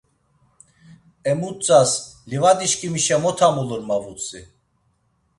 Emutzas, livadişkimişe mot amulur, ma vutzvi.